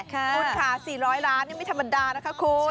คุณค่ะ๔๐๐ล้านไม่ธรรมดานะคะคุณ